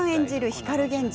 光源氏。